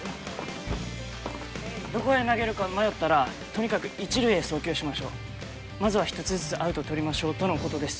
どこへ投げるか迷ったらとにかく１塁へ送球しましょうまずは１つずつアウト取りましょうとのことです